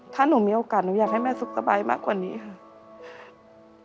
ถ้าหนูมีโอกาสหนูอยากให้แม่สุขสบายมากกว่านี้ค่ะ